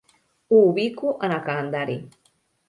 Ho ubico en el calendari.